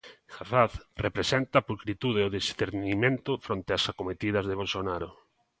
Haddad representa a pulcritude e o discernimento fronte ás acometidas de Bolsonaro.